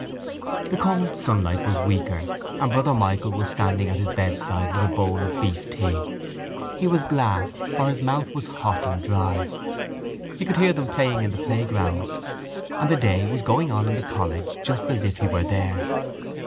The cold sunlight was weaker and Brother Michael was standing at his bedside with a bowl of beeftea. He was glad for his mouth was hot and dry. He could hear them playing in the playgrounds. And the day was going on in the college just as if he were there.